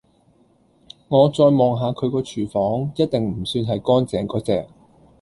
我再望下佢個"廚房"一定唔算係乾淨果隻